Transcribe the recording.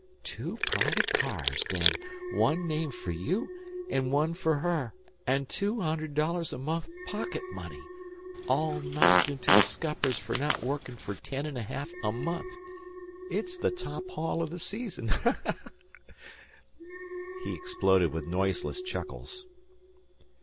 Two private cars, then, one named fer you an' one fer her; an' two hundred dollars a month pocket money, all knocked into the scuppers fer not workin' fer ten an' a ha'af a month! It's the top haul o' the season." He exploded with noiseless chuckles.